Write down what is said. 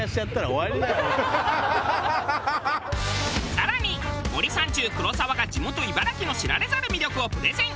更に森三中黒沢が地元茨城の知られざる魅力をプレゼン！